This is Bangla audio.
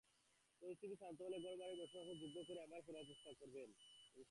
পরিস্থিতি শান্ত হলে, ঘরবাড়ি বসবাসের যোগ্য করে আবার ফেরার চেষ্টা করবেন।